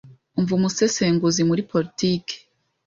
umva Umusesenguzi muri politiki: